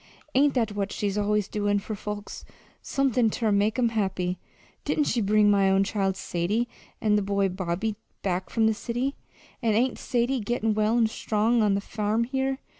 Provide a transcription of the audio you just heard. ain't that what she's always doin' for folks somethin' ter make 'em happy? Didn't she bring my own child, Sadie, an' the boy, Bobby, back from the city, and ain't Sadie gettin' well an' strong on the farm here?